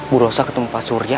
bu rosa ketemu pak surya